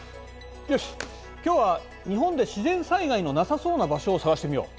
よし今日は日本で自然災害のなさそうな場所を探してみよう。